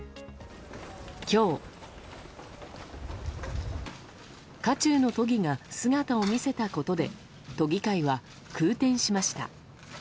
今日、渦中の都議が姿を見せたことで都議会は空転しました。